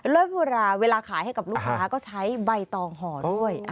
เริ่มประกอบเวลาขายให้กับลูกค้าก็ใช้ใบตองห่อด้วย